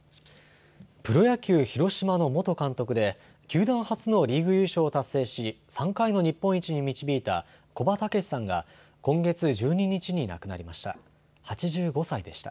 プロ野球、広島の元監督で球団初のリーグ優勝を達成し３回の日本一に導いた古葉竹識さんが今月１２日に亡くなりました。